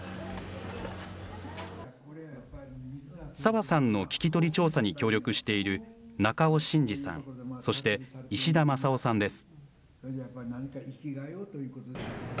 沢さんの聞き取り調査に協力している中尾伸治さん、そして石田雅男さんです。